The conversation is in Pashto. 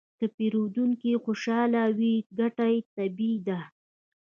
که پیرودونکی خوشحاله وي، ګټه طبیعي ده.